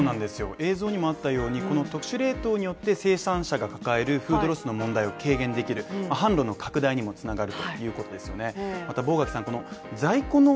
映像にもあったようにこの特殊冷凍によって生産者が抱えるフードロスの問題を軽減できる販路の拡大にもつながるということですよね